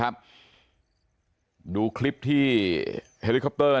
ขยับไปทาง๙นาฬิกานิดนึงครับขยับไปทาง๙นาฬิกานิดนึงครับ